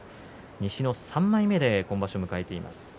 西の３枚目、今場所迎えています。